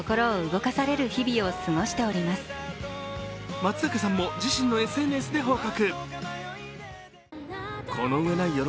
松坂さんも自身のＳＮＳで報告。